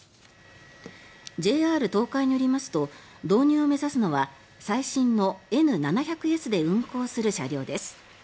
ＪＲ東海によりますと導入を目指すのは最新のＮ７００Ｓで運行する車両です。